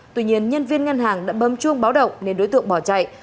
tuy nhiên nhân viên ngân hàng đã bấm chuông báo động nên đối tượng bỏ chạy